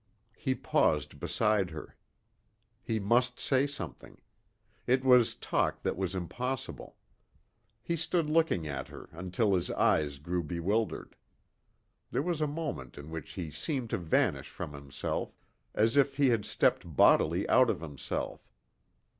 He paused beside her. He must say nothing. It was talk that was impossible. He stood looking at her until his eyes grew bewildered. There was a moment in which he seemed to vanish from himself, as if he had stepped bodily out of himself.